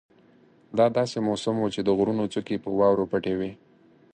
دا داسې موسم وو چې د غرونو څوکې په واورو پټې وې.